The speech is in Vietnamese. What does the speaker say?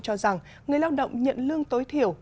cho rằng người lao động nhận lương tối thiểu